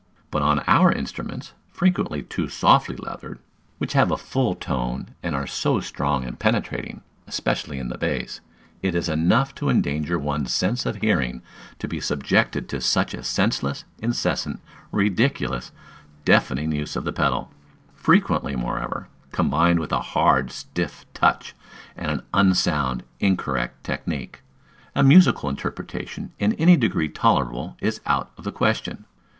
But on our instruments, frequently too softly leathered, which have a full tone, and are so strong and penetrating, especially in the bass, it is enough to endanger one's sense of hearing to be subjected to such a senseless, incessant, ridiculous, deafening use of the pedal; frequently, moreover, combined with a hard, stiff touch, and an unsound, incorrect technique. A musical interpretation in any degree tolerable is out of the question.